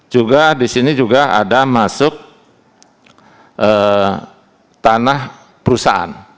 juga di sini juga ada masuk tanah perusahaan